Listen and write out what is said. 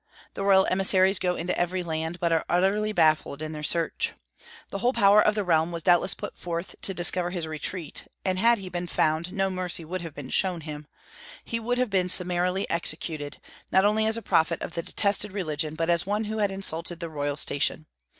The royal emissaries go into every land, but are utterly baffled in their search. The whole power of the realm was doubtless put forth to discover his retreat, and had he been found, no mercy would have been shown him; he would have been summarily executed, not only as a prophet of the detested religion, but as one who had insulted the royal station.